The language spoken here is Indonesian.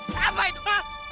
si apa itu fah